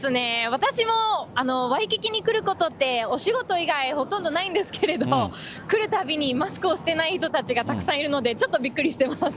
私もワイキキに来ることって、お仕事以外、ほとんどないんですけど、来るたびにマスクをしてない人たちがたくさんいるので、ちょっとびっくりしてます。